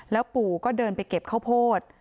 แล้วปู่ก็เดินไปเก็บข้าวโพด